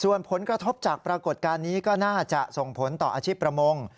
ส่วนผลกระทบจากปรากฏการณ์นี้ก็น่าจะส่งผลต่ออาชีพประมง